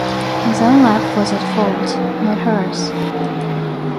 His own love was at fault, not hers.